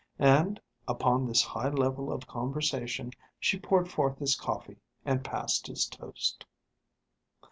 And, upon this high level of conversation, she poured forth his coffee and passed his toast.